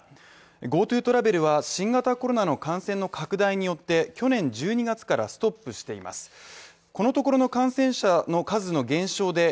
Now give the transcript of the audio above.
ＧｏＴｏトラベルは新型コロナの感染の拡大によって、去年１２月からストップしています。